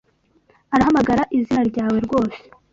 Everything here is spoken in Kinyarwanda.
Arahamagara izina ryawe rwose